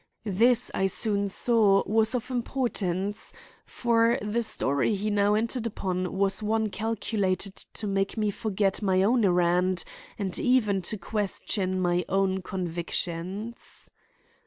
This I soon saw was of importance, for the story he now entered upon was one calculated to make me forget my own errand and even to question my own convictions.